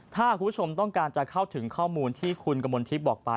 ถ้าคุณผู้ชมต้องการจะเข้าถึงข้อมูลที่คุณกมลทิพย์บอกไป